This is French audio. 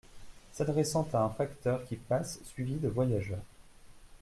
S’adressant à un facteur qui passe suivi de voyageurs.